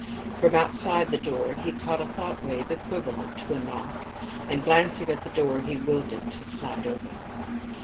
From outside the door he caught a thought wave equivalent to a knock, and, glancing at the door, he willed it to slide open.